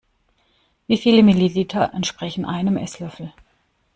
Wie viele Milliliter entsprechen einem Esslöffel?